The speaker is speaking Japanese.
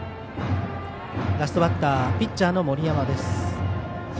ラストバッターピッチャーの森山。